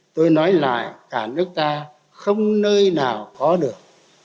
tôi nói lại cả nước ta không nơi nào có được